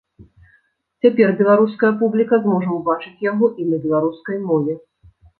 Цяпер беларуская публіка зможа ўбачыць яго і на беларускай мове.